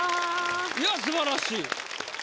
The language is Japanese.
いやすばらしい。